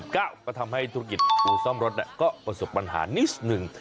ก็ทำให้ธุรกิจอู่ซ่อมรถก็ประสบปัญหานิดหนึ่ง